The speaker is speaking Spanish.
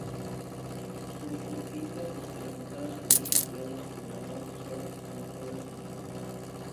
Los surfistas experimentados eligen playas como North Shore con olas más altas.